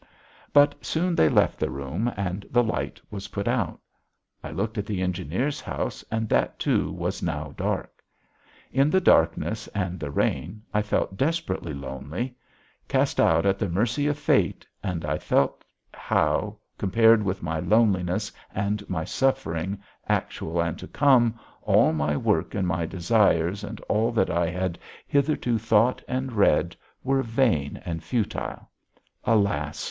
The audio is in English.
But soon they left the room and the light was put out.... I looked at the engineer's house and that too was now dark. In the darkness and the rain I felt desperately lonely. Cast out at the mercy of Fate, and I felt how, compared with my loneliness, and my suffering, actual and to come, all my work and all my desires and all that I had hitherto thought and read, were vain and futile. Alas!